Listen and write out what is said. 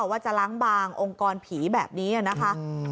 ว่าจะล้างบางองค์กรผีแบบนี้นะคะ